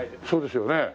そうですよね。